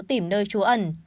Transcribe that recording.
tìm nơi trú ẩn